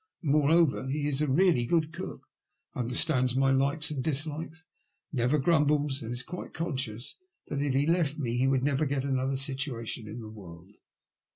Moreover, he is a really good cook, understands my likes and dislikes, never grumbles, and is quite conscious that if he left me he would never get another situation in the world.